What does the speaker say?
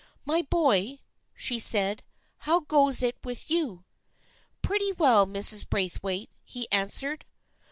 " My boy," she said, " how goes it with you?" " Pretty well, Mrs. Braithwaite," he answered.